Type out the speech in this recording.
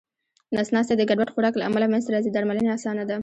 نس ناستی د ګډوډ خوراک له امله منځته راځې درملنه یې اسانه ده